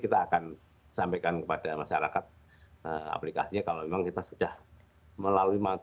kita akan sampaikan kepada masyarakat aplikasinya kalau memang kita sudah melalui